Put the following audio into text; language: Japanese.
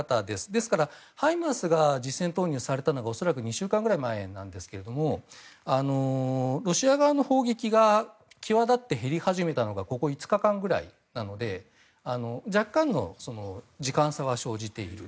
ですからハイマースが実戦投入されたのが恐らく２週間ぐらい前なんですけれどもロシア側の砲撃が際立って減り始めたのがここ５日間くらいなので若干の時間差は生じている。